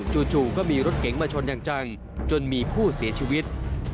จู่ก็มีรถเก๋งมาชนอย่างจังจนมีผู้เสียชีวิต